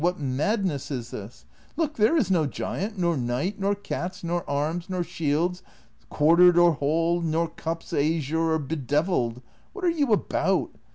what madness is this ! Look, there is no giant, nor knight, nor cats, nor arms, nor shields quartered or whole, nor cups azure or bedevilled. 'Wliat are you about